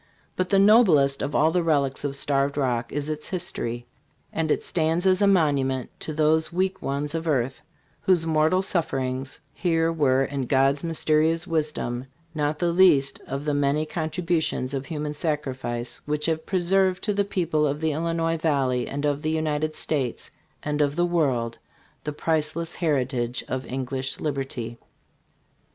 But the noblest of all the relics of Starved Rock is its history ; and it stands as a monument to those weak ones of earth whose mortal sufferings here were, in God's mysterious wisdom, not the least of the many contribu tions of human sacrifice which have preserved to the people of the Illinois valley, and of the United States, and of the world, the priceless heritage of English Liberty.